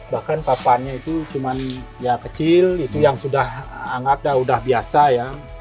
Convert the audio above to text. bahkan papannya itu cuman ya kecil itu yang sudah anggap udah biasa ya